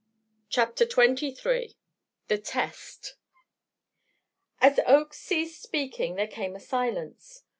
CHAPTER XXIII The Test As Oakes ceased speaking there came a silence.